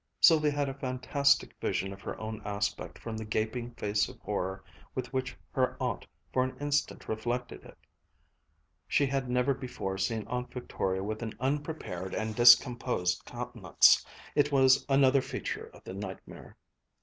Sylvia had a fantastic vision of her own aspect from the gaping face of horror with which her aunt for an instant reflected it. She had never before seen Aunt Victoria with an unprepared and discomposed countenance. It was another feature of the nightmare.